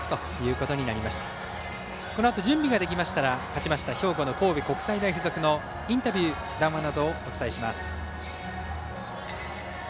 このあと準備ができましたら勝ちました兵庫の神戸国際大付属のインタビュー、談話などをお伝えします。